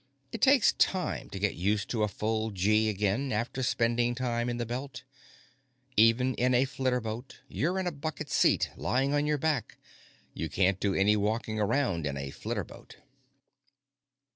It takes time to get used to a full gee again after spending time in the Belt. Even in a flitterboat, you're in a bucket seat, lying on your back; you can't do any walking around in a flitterboat.